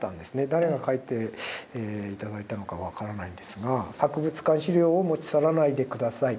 誰が書いて頂いたのか分からないんですが「博物館資料を持ち去らないで下さい。